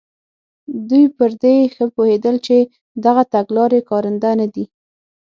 دوی پر دې ښه پوهېدل چې دغه تګلارې کارنده نه دي.